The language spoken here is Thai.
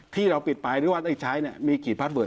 ที่เราปิดไปรู้ว่าต้องใช้มีกิจพัสเบิร์ส